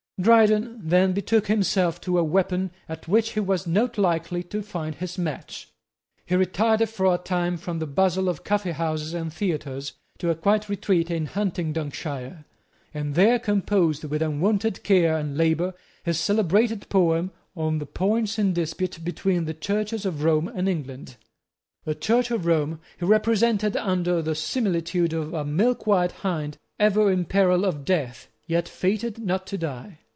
Dryden then betook himself to a weapon at which he was not likely to find his match. He retired for a time from the bustle of coffeehouses and theatres to a quiet retreat in Huntingdonshire, and there composed, with unwonted care and labour, his celebrated poem on the points in dispute between the Churches of Rome and England. The Church of Rome he represented under the similitude of a milkwhite hind, ever in peril of death, yet fated not to die.